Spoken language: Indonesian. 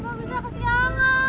etg terlalama luzan check wow talk